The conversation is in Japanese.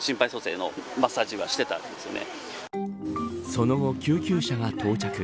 その後、救急車が到着。